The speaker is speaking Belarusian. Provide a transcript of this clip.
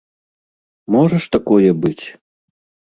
Можа ж такое быць?